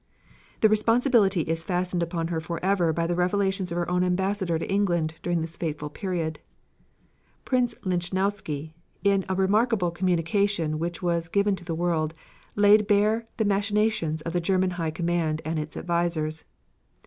The responsibility is fastened upon her forever by the revelations of her own ambassador to England during this fateful period. Prince Lichnowsky, in a remarkable communication which was given to the world, laid bare the machinations of the German High Command and its advisers.